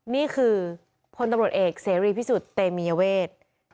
นี่คือพลตำรวจเอกเสรีพิสุทธิ์เตมียเวท